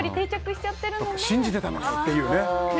信じていたのに！っていうね。